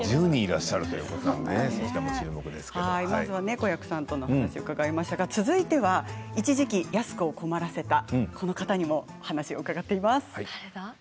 子役さんとのお話を伺いましたが続いては一時期安子を困らせたこの方にもお話を伺っています。